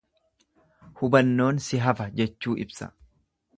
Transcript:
Hubannoon si hafa jechuu ibsa.